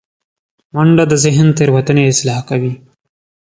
منډه د ذهن تیروتنې اصلاح کوي